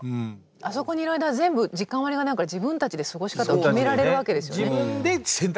あそこにいる間は全部時間割りがないから自分たちで過ごし方を決められるわけですよね。